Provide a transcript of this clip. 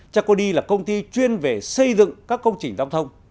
chakudi là công ty chuyên về xây dựng các công trình giao thông